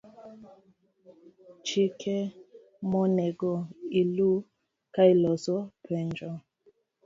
Chike monego ilu kailoso penjo.